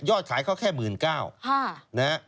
ยอดขายเขาแค่๑๙๐๐๐ล้านนะครับค่ะ